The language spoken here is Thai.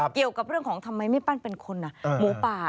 เกี่ยวกับเรื่องของทำไมไม่ปั้นเป็นคนหมูป่า